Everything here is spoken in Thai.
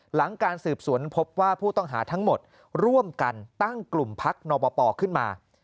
หลังการสืบสวนพบว่าผู้ต้องหาทั้งหมดร่วมกันตั้งกลุ่มพักนปปขึ้นมา